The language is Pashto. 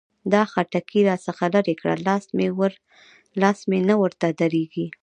دا خټکي را څخه لري کړه؛ لاس مې نه ورته درېږي.